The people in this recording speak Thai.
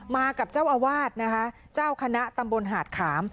มากับเจ้าอาวาสนะคะเจ้าคณะตำบลหาดขาม